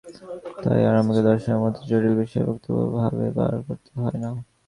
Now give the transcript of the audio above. তাই আর আমাকে দর্শনের মত জটিল বিষয়ের বক্তৃতা ভাবে বার করতে হয় না।